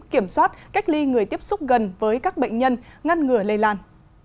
kiểm soát cách ly người tiếp xúc gần với các bệnh nhân ngăn ngừa lây lan